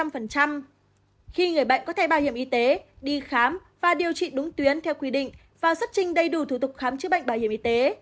khi người bệnh có thể bảo hiểm y tế đi khám và điều trị đúng tuyến theo quy định và xuất trình đầy đủ thủ tục khám chữa bệnh bảo hiểm y tế